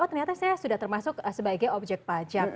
oh ternyata saya sudah termasuk sebagai objek pajak